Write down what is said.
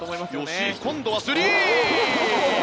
吉井、今度はスリー！